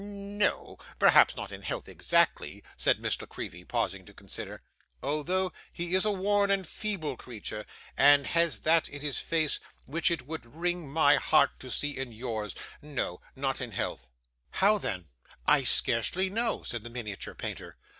'N n o; perhaps not in health exactly,' said Miss La Creevy, pausing to consider, 'although he is a worn and feeble creature, and has that in his face which it would wring my heart to see in yours. No; not in health.' 'How then?' 'I scarcely know,' said the miniature painter.